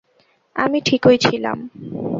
আমি ঠিকই ছিলাম।